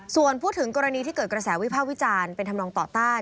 ส่วนพูดถึงกรณีที่เกิดกระแสวิภาควิจารณ์เป็นธรรมนองต่อต้าน